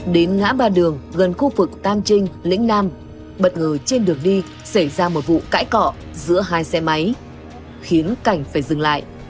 đến ngã ba đường gần khu vực tam trinh lĩnh nam bất ngờ trên đường đi xảy ra một vụ cãi cọ giữa hai xe máy khiến cảnh phải dừng lại